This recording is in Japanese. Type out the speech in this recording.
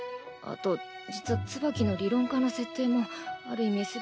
あと実はツバキの理論家の設定もある意味。